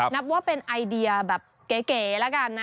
นับว่าเป็นไอเดียแบบเก๋แล้วกันนะ